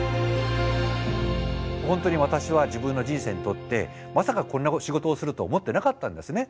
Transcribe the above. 本当に私は自分の人生にとってまさかこんな仕事をすると思ってなかったんですね。